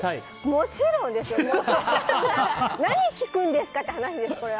もちろんですよ。何を聞くんですかって話です。